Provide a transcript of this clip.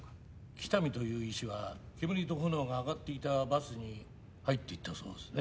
喜多見という医師は煙と炎が上がっていたバスに入っていったそうですね